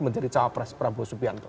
menjadi cawapres prabowo subianto